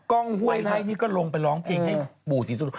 กองไฮไทยนี่ก็ลงไปร้องเพลงให้บุษีสุด